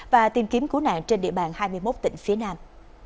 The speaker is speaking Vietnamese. và tìm kiếm cứu nạn trên địa bàn hai mươi một tỉnh phía nam